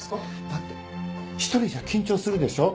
だって１人じゃ緊張するでしょ。